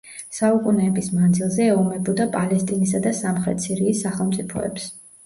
საუკუნეების მანძილზე ეომებოდა პალესტინისა და სამხრეთ სირიის სახელმწიფოებს.